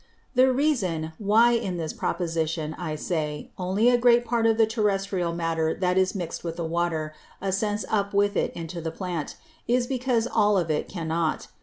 The Reason, why in this Proposition, I say, only a great part of the Terrestrial Matter that is mix'd with the Water, ascends up with it into the Plant, is, because all of it cannot.